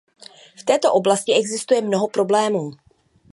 V této oblasti existuje mnoho problémů.